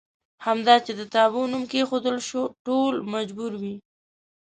همدا چې د تابو نوم کېښودل شو ټول مجبور وي.